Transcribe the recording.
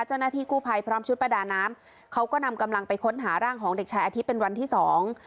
เจ้าหน้าที่กู้ภัยพร้อมชุดประดาน้ำเขาก็นำกำลังไปค้นหาร่างของเด็กชายอาทิตย์เป็นวันที่สอง